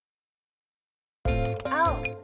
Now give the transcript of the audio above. あお。